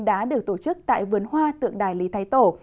đã được tổ chức tại vườn hoa tượng đài lý thái tổ